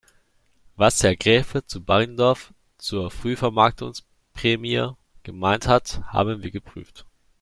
Was Herr Graefe zu Baringdorf zur Frühvermarktungsprämie gemeint hat, haben wir geprüft.